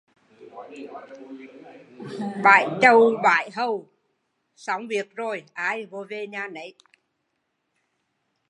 Bãi chầu bãi hầu, xong việc rồi, ai mô về nhà nấy